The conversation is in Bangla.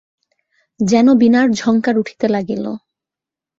যেন বীণার ঝঙ্কার উঠিতে লাগিল।